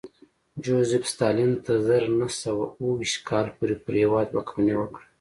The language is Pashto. جوزېف ستالین تر زر نه سوه اوه ویشت کال پورې پر هېواد واکمني وکړه